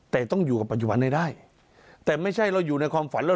แต่ต้องอยู่กับปัจจุบันให้ได้แต่ไม่ใช่เราอยู่ในความฝันเรา